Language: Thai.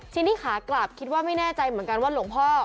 ทีนี้ขากลับคิดว่าไม่แน่ใจเหมือนกันว่าหลวงพ่อ